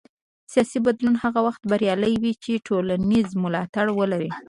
سیاسي بدلون هغه وخت بریالی وي چې ټولنیز ملاتړ ولري